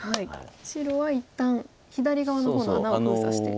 白は一旦左側の方の穴を封鎖して。